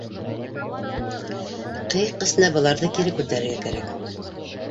Ҡыйыҡ эсенә быларҙы кире күтәрергә кәрәк.